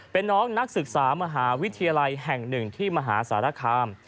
เป็นน้องนักศึกษามหาวิทยาลัยแห่งหนึ่งที่มหาสารคาม